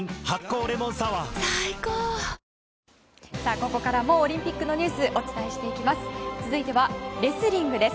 ここからもオリンピックのニュースお伝えしていきます。